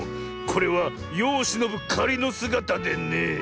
これはよをしのぶかりのすがたでね。